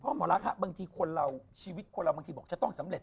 เพราะหมอรักษ์บางทีชีวิตคนเราบางทีบอกจะต้องสำเร็จ